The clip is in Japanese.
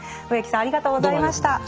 植木さんありがとうございました。